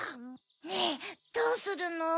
ねぇどうするの？